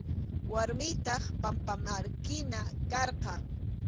Warmiytaq pampamarkina karqan.